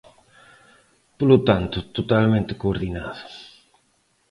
Polo tanto, totalmente coordinado.